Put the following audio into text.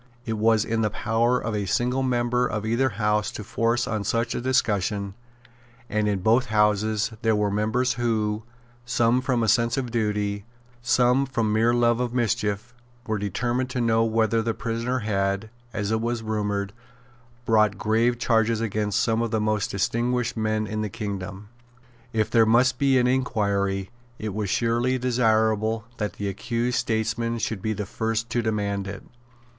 It was in the power of a single member of either House to force on such a discussion; and in both Houses there were members who, some from a sense of duty, some from mere love of mischief, were determined to know whether the prisoner had, as it was rumoured, brought grave charges against some of the most distinguished men in the kingdom. If there must be an inquiry, it was surely desirable that the accused statesmen should be the first to demand it.